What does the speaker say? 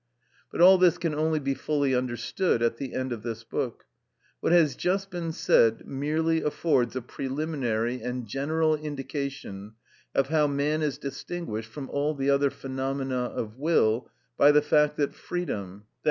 But all this can only be fully understood at the end of this book. What has just been said merely affords a preliminary and general indication of how man is distinguished from all the other phenomena of will by the fact that freedom, _i.